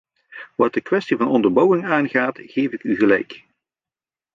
Wat de kwestie van de onderbouwing aangaat, geef ik u gelijk.